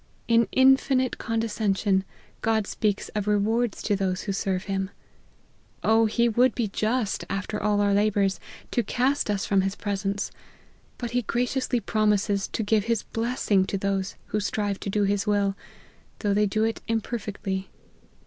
In infinite condescension, God speaks of rewards to those who serve him. Oh, he would be just, after all our labours, to cast us from his presence ; but he graciously promises to give his blessing to those who strive to do his will, though they do it imper fectly.